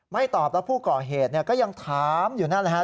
ไม่ตอบแล้วผู้ก่อเหตุเนี่ยก็ยังถามอยู่นั่นนะฮะ